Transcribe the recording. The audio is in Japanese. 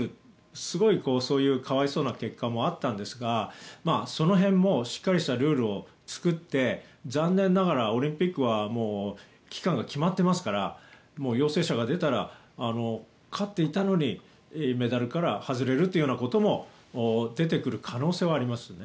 すごく、そういう可哀想な結果もあったんですがその辺もしっかりしたルールを作って残念ながら、オリンピックはもう期間が決まってますから陽性者が出たら勝っていたのにメダルから外れるというようなことも出てくる可能性はありますよね。